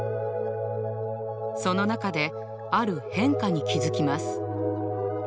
その中である変化に気づきます。